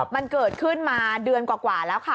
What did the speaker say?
มันเกิดขึ้นมาเดือนกว่าแล้วค่ะ